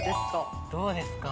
どうですか？